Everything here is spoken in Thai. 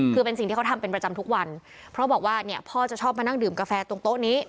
คือเป็นสิ่งที่เขาทำเป็นประจำทุกวันเพราะบอกว่าเนี่ยพ่อจะชอบมานั่งดื่มกาแฟตรงโต๊ะนี้